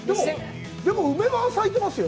でも梅は咲いてますよね？